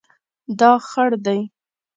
دا خړ دی